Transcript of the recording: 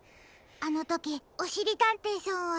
あのときおしりたんていさんは。